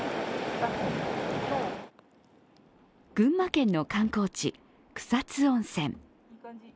群馬県の観光地、草津温泉。